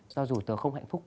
do dù tớ không hạnh phúc